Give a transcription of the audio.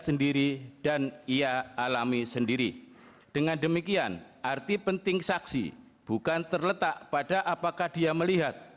sendiri dan ia alami sendiri dengan demikian arti penting saksi bukan terletak pada apakah dia melihat